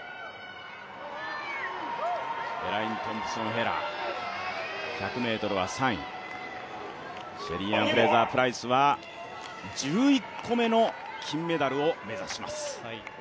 エライン・トンプソン・ヘラ、１００ｍは３位シェリーアン・フレイザー・プライスは１１個目の金メダルを目指します。